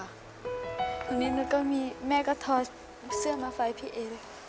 อันนี้หนูก็มีแม่ก็ถอดเสื้อมาไฟพี่เอเลย